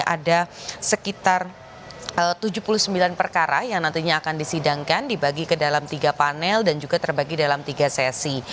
ada sekitar tujuh puluh sembilan perkara yang nantinya akan disidangkan dibagi ke dalam tiga panel dan juga terbagi dalam tiga sesi